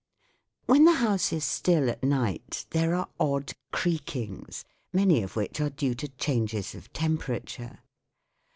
When the house is still at night there are odd creakings, many of which are due to changes of temperature.